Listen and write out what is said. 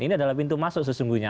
ini adalah pintu masuk sesungguhnya